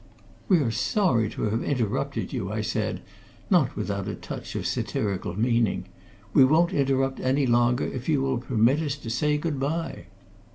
"We are sorry to have interrupted you," I said, not without a touch of satirical meaning. "We won't interrupt any longer if you will permit us to say good day."